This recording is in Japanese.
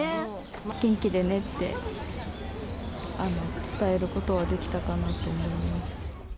元気でねって伝えることはできたかなと思います。